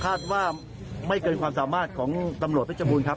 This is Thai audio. คาดว่าไม่เกินกับความสามารถของตำรวจรัฐบุญครับ